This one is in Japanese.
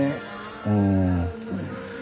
うん。